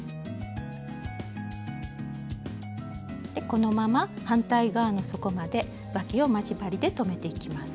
このまま反対側の底までわきを待ち針で留めていきます。